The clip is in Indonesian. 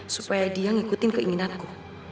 supaya dia ngikutin keinginanku